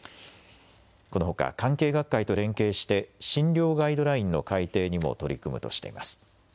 このほか、関係学会と連携して、診療ガイドラインの改訂にも取り組むとしています。